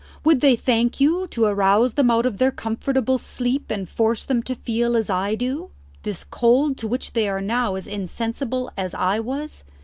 Would they thank you to arouse them out of their comfortable sleep and force them to feel as I do, this cold to which they are now as insensible as I was?